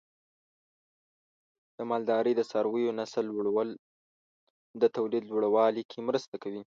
د مالدارۍ د څارویو نسل لوړول د تولید لوړوالي کې مرسته کوي.